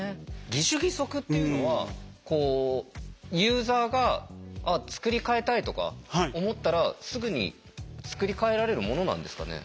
義手義足っていうのはこうユーザーが作り替えたいとか思ったらすぐに作り替えられるものなんですかね？